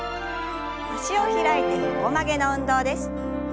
脚を開いて横曲げの運動です。